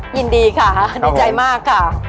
ยินดีค่ะดีใจมากค่ะ